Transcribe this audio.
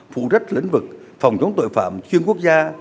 phụ trách lĩnh vực phòng chống tội phạm chuyên quốc gia